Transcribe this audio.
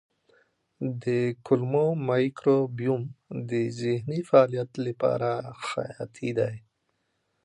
د کولمو مایکروبیوم د ذهني فعالیت لپاره حیاتي دی.